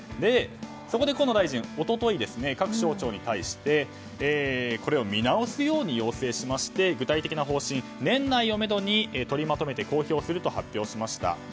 そこで河野大臣は一昨日各省庁に対してこれを見直すように要請しまして具体的な方針年内をめどに取りまとめて公表すると発表しました。